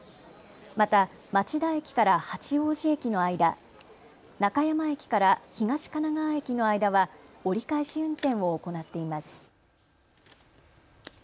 また、町田駅から八王子駅の間、中山駅から東神奈川駅の間は折り返し運転を行っています。